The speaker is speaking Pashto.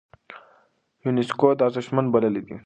يونسکو دا ارزښتمن بللی دی.